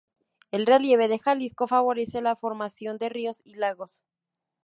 El relieve de Jalisco favorece la formación de ríos y lagos.